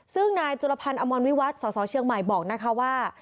ซึ่งนายจุลพันธ์อมรวิวัตรสสเชียงใหม่บอกนะคะว่า